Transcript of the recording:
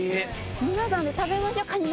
皆さんで食べましょうかに鍋。